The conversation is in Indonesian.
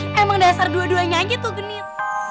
emang dasar dua duanya aja tuh genit